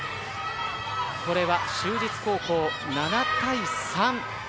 これは就実高校７対３。